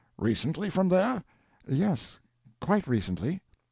"Recently from there?" "Yes, quite recently."